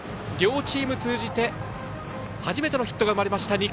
両チーム通じて初めてのヒットが生まれました。